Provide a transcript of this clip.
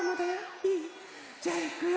いい？じゃあいくよ。